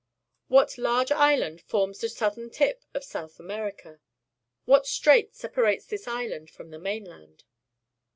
What large island forms the southern tip of South America? What strait separates this island from the mainland?